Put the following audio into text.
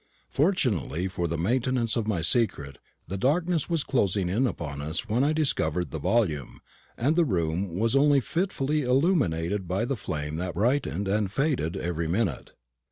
Fortunately for the maintenance of my secret, the darkness was closing in upon us when I discovered the volume, and the room was only fitfully illuminated by the flame that brightened and faded every minute.